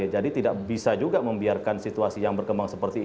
jadi tidak bisa juga membiarkan situasi yang berkembang seperti ini